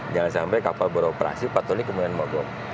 jangan sampai kapal beroperasi patolik kemudian mogok